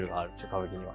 歌舞伎では。